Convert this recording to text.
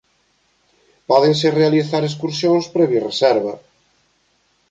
Pódense realizar excursións previa reserva.